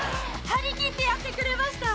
はりきって、やってくれました。